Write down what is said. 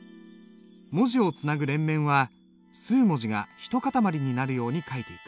文字をつなぐ連綿は数文字が一塊になるように書いていく。